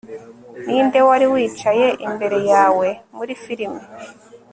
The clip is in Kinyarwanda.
ninde wari wicaye imbere yawe muri firime